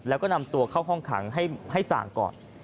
แล้วก็นำตัวเข้าห้องขังให้สั่งก่อน